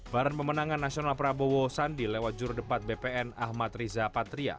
baran pemenangan nasional prabowo sandi lewat jurudebat bpn ahmad riza patria